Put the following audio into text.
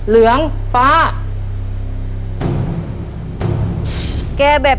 เร็วเร็วเร็ว